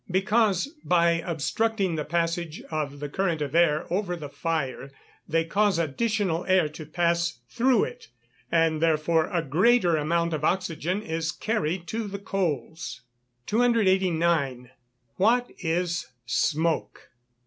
_ Because, by obstructing the passage of the current of air over the fire, they cause additional air to pass through it, and therefore a greater amount of oxygen is carried to the coals. 289. _What is smoke?